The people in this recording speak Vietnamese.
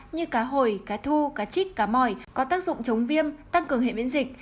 như cá hồi cá thu cá chích cá mòi có tác dụng chống viêm tăng cường hệ biễn dịch